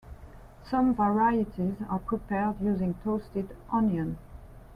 Some varieties are prepared using toasted onion.